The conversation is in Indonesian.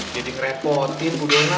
jadi ngerepotin bu dona